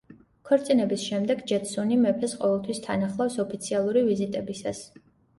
ქორწინების შემდეგ ჯეტსუნი მეფეს ყოველთვის თან ახლავს ოფიციალური ვიზიტებისას.